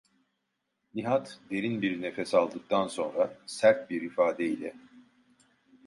Nihat derin bir nefes aldıktan sonra sert bir ifade ile: